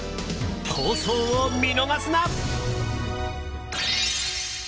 放送を見逃すな！